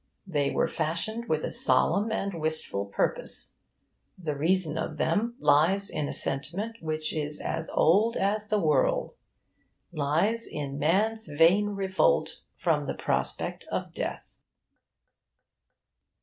They were fashioned with a solemn and wistful purpose. The reason of them lies in a sentiment which is as old as the world lies in man's vain revolt from the prospect of death.